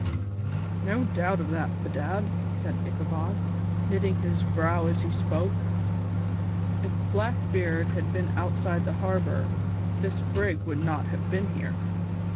"No doubt of that, bedad," said Ichabod, knitting his brows as he spoke; "if Blackbeard had been outside the harbour, this brig would not have been here."